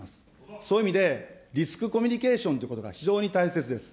そういう意味で、リスクコミュニケーションということが非常に大切です。